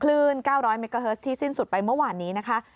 ๙๐๐เมกาเฮิร์สที่สิ้นสุดไปเมื่อวานนี้นะคะ